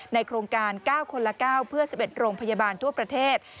โครงการ๙คนละ๙เพื่อ๑๑โรงพยาบาลทั่วประเทศ